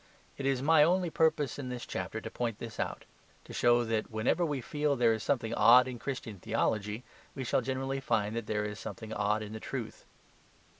It is my only purpose in this chapter to point this out; to show that whenever we feel there is something odd in Christian theology, we shall generally find that there is something odd in the truth.